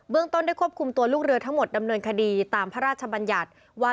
ต้นได้ควบคุมตัวลูกเรือทั้งหมดดำเนินคดีตามพระราชบัญญัติว่า